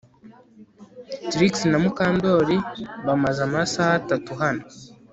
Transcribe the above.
Trix na Mukandoli bamaze amasaha atatu hano